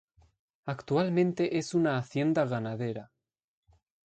Actualmente es una hacienda ganadera.